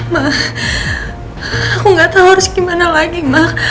ma aku nggak tahu harus gimana lagi mak